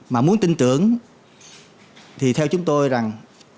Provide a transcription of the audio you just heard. mà muốn tin tưởng thì theo chúng tôi rằng